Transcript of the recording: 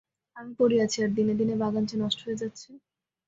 আমি পড়ে আছি, আর দিনে দিনে বাগান যে নষ্ট হয়ে যাচ্ছে।